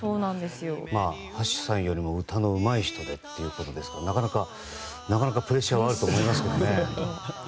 橋さんよりも歌のうまい人っていうことでなかなかプレッシャーはあると思いますけどね。